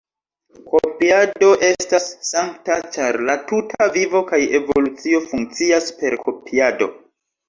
Kopiado estas sankta ĉar la tuta vivo kaj evolucio funkcias per kopiado.